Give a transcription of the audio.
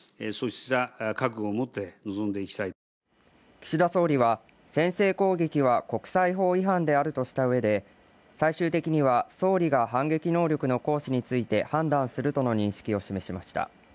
岸田総理は先制攻撃は国際法違反であるとした上で、最終的には総理が反撃能力の行使について判断するとの認識を示しました。